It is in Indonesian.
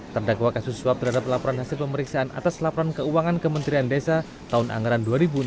terdakwa kasus suap terhadap laporan hasil pemeriksaan atas laporan keuangan kementerian desa tahun anggaran dua ribu enam belas